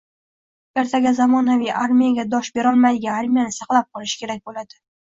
ertaga zamonaviy armiyaga dosh berolmaydigan armiyani saqlab qolishi kerak bo'ladi